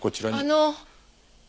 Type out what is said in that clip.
あの。